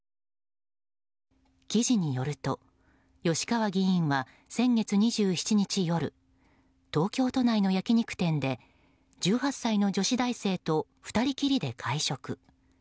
記事によると、吉川議員は先月２７日夜東京都内の焼き肉店で１８歳の女子大生と２人きりで会食。